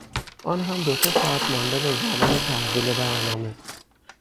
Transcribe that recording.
آنهم دو سه ساعت مانده به زمان تحویل برنامه.